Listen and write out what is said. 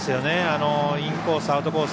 インコース、アウトコース